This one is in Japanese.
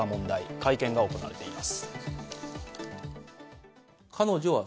会見が行われています。